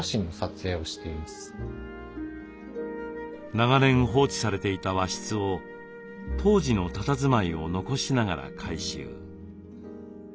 長年放置されていた和室を当時のたたずまいを残しながら改修。